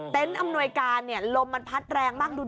เต็นต์อำนวยการลมมันพัดแรงมากดู